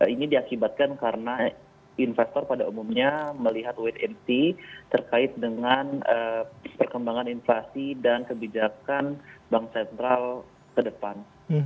ini diakibatkan karena investor pada umumnya melihat wait and see terkait dengan perkembangan inflasi dan kebijakan bank sentral ke depan